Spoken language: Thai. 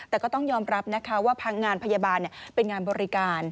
แต่ก็ต้องยอมรับนะคะว่าพังงานพยาบาลเป็นงานบริการ